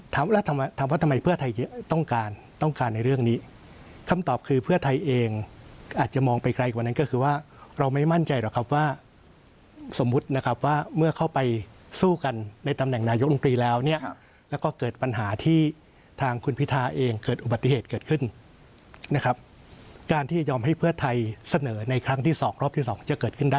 ถามว่าแล้วถามว่าทำไมเพื่อไทยต้องการต้องการในเรื่องนี้คำตอบคือเพื่อไทยเองอาจจะมองไปไกลกว่านั้นก็คือว่าเราไม่มั่นใจหรอกครับว่าสมมุตินะครับว่าเมื่อเข้าไปสู้กันในตำแหน่งนายกรรมตรีแล้วเนี่ยแล้วก็เกิดปัญหาที่ทางคุณพิทาเองเกิดอุบัติเหตุเกิดขึ้นนะครับการที่ยอมให้เพื่อไทยเสนอในครั้งที่สองรอบที่สองจะเกิดขึ้นได้